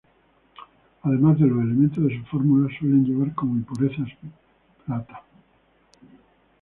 Además de los elementos de su fórmula, suele llevar como impureza plata.